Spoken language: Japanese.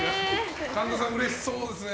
神田さん、うれしそうですね。